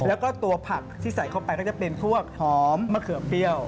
แล้วก็ตัวผักที่ใส่เข้าไปก็จะเป็นพวกหอมมะเขือเปรี้ยว